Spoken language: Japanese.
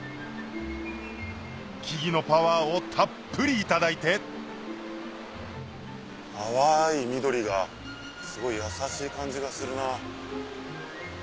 木々のパワーをたっぷり頂いて淡い緑がすごい優しい感じがするな。